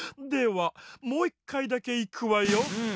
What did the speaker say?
ではもういっかいだけいくわよ。